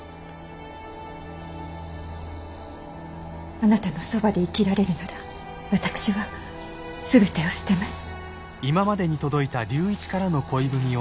あなたのそばで生きられるなら私は全てを捨てます。